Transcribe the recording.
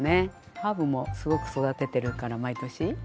ハーブもすごく育ててるから毎年。